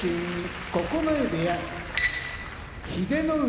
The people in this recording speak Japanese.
九重部屋英乃海